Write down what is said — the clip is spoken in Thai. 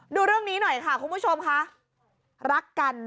ดูเรื่องนี้หน่อยค่ะคุณผู้ชมค่ะรักกัน